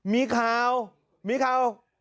มีข่าวมีข่าว